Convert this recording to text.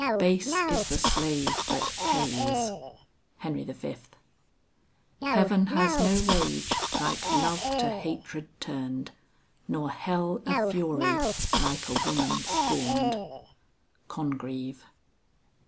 Base is the slave that pays." HENRY V. "Heaven has no rage like love to hatred turned, Nor hell a fury like a woman scorned." CONGREVE.